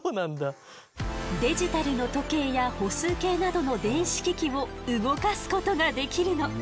デジタルの時計や歩数計などの電子機器を動かすことができるの。